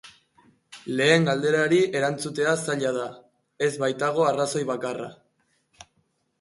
Lehen galderari erantzutea zaila da, ez baitago arrazoi bakarra.